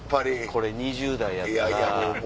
これ２０代やったら。